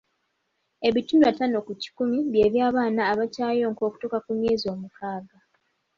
Ebitundu ataano ku kikumi bye eby'abaana abakyayonka okutuusa ku myezi omukaaga.